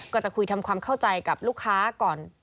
ก็จะคุยทำความเข้าใจกับลูกค้าก่อน